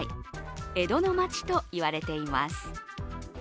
江戸の町と言われています。